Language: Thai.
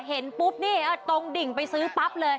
เห็นปุ๊บนี่ตรงดิ่งไปซื้อปั๊บเลย